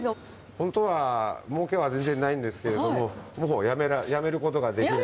本当はもうけは全然ないんですけれども、もうやめることができない。